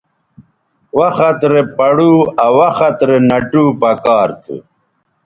وخت رے پڑو آ وخت رے نَٹو پکار تھو